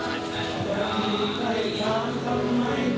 แค่ในโต๊ะค้ำหารัมพิษ